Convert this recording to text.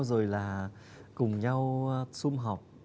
rồi là cùng nhau xung học